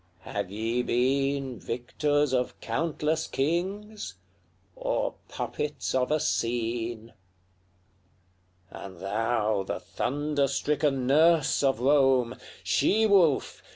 have ye been Victors of countless kings, or puppets of a scene? LXXXVIII. And thou, the thunder stricken nurse of Rome! She wolf!